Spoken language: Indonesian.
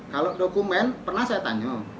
kalau dokumen pernah saya tanya